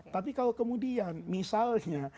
tapi kalau kemudian misalnya